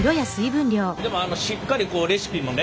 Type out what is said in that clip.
でもあのしっかりレシピもね